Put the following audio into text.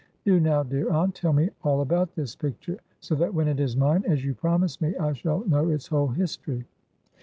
Do, now, dear aunt, tell me all about this picture, so that when it is mine, as you promise me, I shall know its whole history."